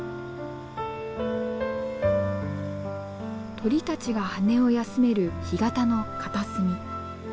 鳥たちが羽を休める干潟の片隅。